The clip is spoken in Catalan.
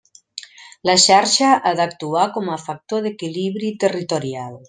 La xarxa ha d'actuar com a factor d'equilibri territorial.